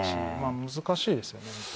難しいですよね。